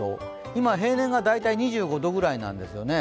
今、平年が大体２５度ぐらいなんですよね。